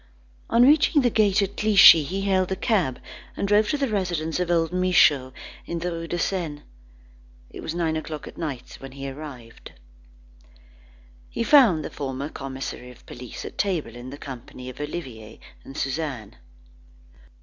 On reaching the gate at Clichy, he hailed a cab, and drove to the residence of old Michaud in the Rue de Seine. It was nine o'clock at night when he arrived. He found the former commissary of police at table, in the company of Olivier and Suzanne.